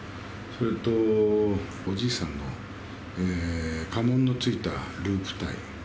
それとおじいさんの家紋の付いたループタイ。